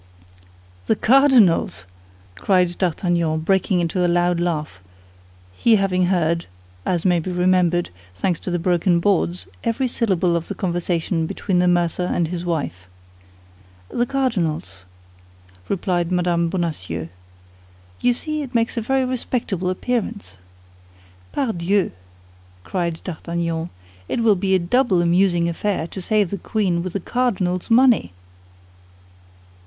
"The cardinal's?" cried D'Artagnan, breaking into a loud laugh, he having heard, as may be remembered, thanks to the broken boards, every syllable of the conversation between the mercer and his wife. "The cardinal's," replied Mme. Bonacieux. "You see it makes a very respectable appearance." "Pardieu," cried D'Artagnan, "it will be a double amusing affair to save the queen with the cardinal's money!"